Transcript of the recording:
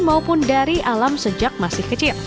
maupun dari alam sejak masih kecil